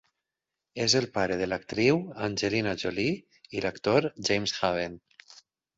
És el pare de l'actriu Angelina Jolie i l'actor James Haven.